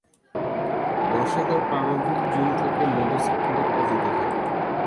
বর্ষাকাল প্রারম্ভিক জুন থেকে মধ্য-সেপ্টেম্বর পর্যন্ত থাকে।